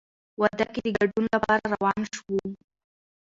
واده کې د ګډون لپاره روان شوو.